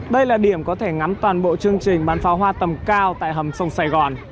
đây là điểm có thể ngắm toàn bộ chương trình bán pháo hoa tầm cao tại hầm sông sài gòn